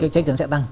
chắc chắn sẽ tăng